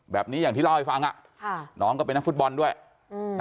อย่างที่เล่าให้ฟังอ่ะค่ะน้องก็เป็นนักฟุตบอลด้วยอืม